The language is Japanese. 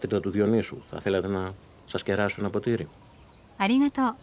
ありがとう。